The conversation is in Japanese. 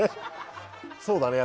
そうだね。